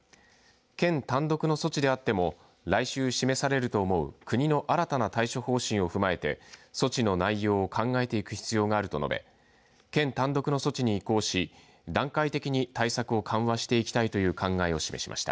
県単独の措置であっても来週示されると思う国の新たな対処方針を踏まえて措置の内容を考えていく必要があると述べ県単独の措置に移行し段階的に対策を緩和していきたいという考えを示しました。